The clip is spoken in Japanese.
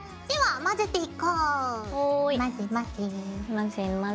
混ぜ混ぜ。